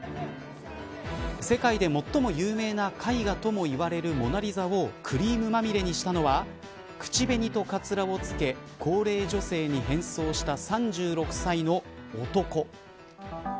世界で最も有名な絵画ともいわれるモナ・リザをクリームまみれにしたのは口紅とかつらを着け高齢女性に変装した３６歳の男。